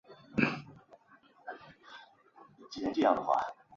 这些作品是由长沙市华美雕塑有限公司制作的。